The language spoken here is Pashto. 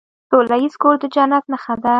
سوله ایز کور د جنت نښه ده.